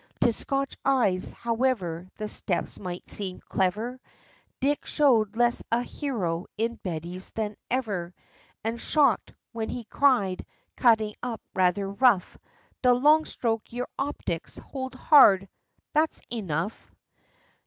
To Scotch eyes, however, The steps might seem clever, Dick show'd less a hero in Betty's than ever, And shock'd, when he cried cutting up rather rough 'D longstroke your optics hold hard! That's enough!'